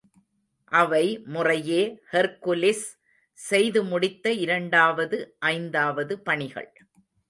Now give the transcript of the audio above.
அவை முறையே ஹெர்க்குலிஸ் செய்து முடித்த இரண்டாவது, ஐந்தாவது பணிகள்.